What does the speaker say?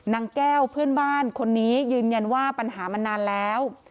นางแก้วเพื่อนบ้านคนนี้ยืนยันว่าปัญหามันนานแล้ว